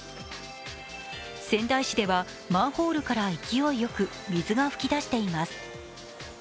仙台市ではマンホールから勢いよく水が噴き出しています。